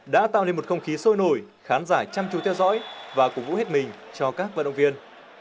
đã tạo nên một không khí sôi nổi khán giả chăm chú theo dõi và cổ vũ hết mình cho các vận động viên